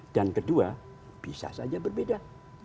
dan kedua bisa saja berbeda